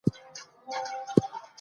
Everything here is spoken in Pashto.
دفاع وزارت بهرنی پور نه اخلي.